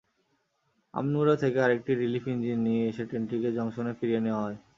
আমনূরা থেকে আরেকটি relief engine নিয়ে এসে ট্রেনটিকে জংশনে ফিরিয়ে নেওয়া হয়।